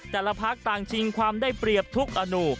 แต่ละพักต่างชิงความได้เปรียบทุกอนุ